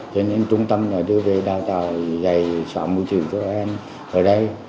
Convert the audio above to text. thế nên trung tâm đã đưa về đào tàu dạy sở môi trường cho em ở đây